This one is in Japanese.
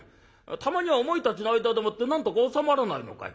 たまにはお前たちの間でもってなんとか収まらないのかい？」。